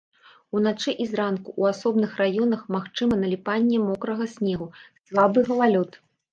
Уначы і зранку ў асобных раёнах магчыма наліпанне мокрага снегу, слабы галалёд.